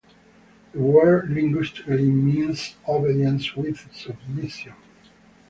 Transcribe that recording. The word linguistically means "obedience with submission".